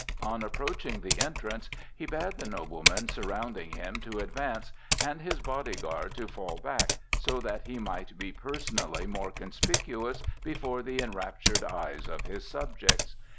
On approaching the entrance, he bade the noblemen surrounding him to advance, and his body guard to fall back, so that he might be personally more conspicuous before the enraptured eyes of his subjects.